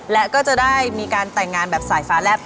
และก็จะได้มีการแต่งงานแบบสายฟ้าแลบ